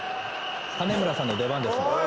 金村さんの出番ですよ。